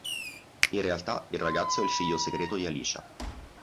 In realtà, il ragazzo è il figlio segreto di Alicia.